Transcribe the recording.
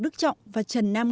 và cộng đồng unido